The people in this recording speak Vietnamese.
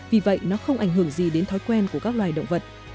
vì vậy nó không ảnh hưởng gì đến thói quen của các loài động vật